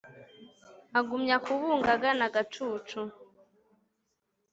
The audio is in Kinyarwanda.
Agumya kubunga agana agacucu.